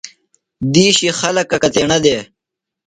دِیشی خلکہ کتیݨہ دےۡ؟